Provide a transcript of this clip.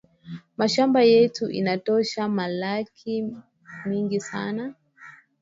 Mashamba yetu ina tosha malaki mingi sana